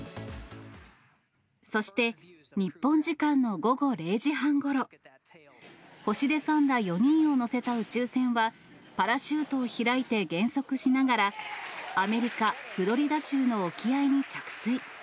そして、日本時間の午後０時半ごろ、星出さんら４人を乗せた宇宙船は、パラシュートを開いて減速しながら、アメリカ・フロリダ州の沖合に着水。